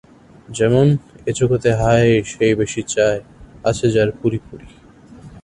যেমন: ‘এ জগতে হায় সে বেশি চায় আছে যার ভূরি ভূরি।